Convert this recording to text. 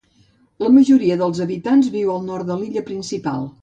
La majoria dels habitants viu al nord de l'illa principal.